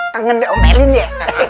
kangen sama om elin ya